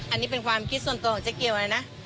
อันนี้เป็นความคิดส่วนตัวของเจ๊เกียวเลยนะ